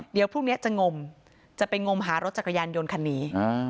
เดี๋ยวพรุ่งนี้จะงมจะไปงมหารถจักรยานยนต์คันนี้